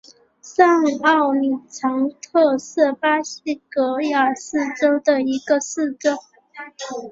上奥里藏特是巴西戈亚斯州的一个市镇。